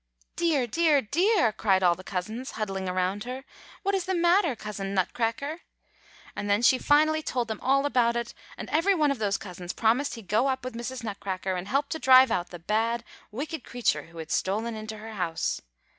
"'Dear, dear, dear!' cried all the cousins, huddling around her, 'what is the matter, Cousin Nutcracker?' "And then she finally told them all about it; and every one of those cousins promised he'd go up with Mrs. Nutcracker, and help to drive out the bad, wicked creature who had stolen into her house."